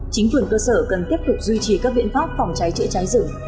chính quyền cơ sở cần tiếp tục duy trì các biện pháp phòng cháy chữa cháy rừng